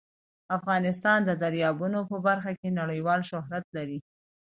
افغانستان د دریابونه په برخه کې نړیوال شهرت لري.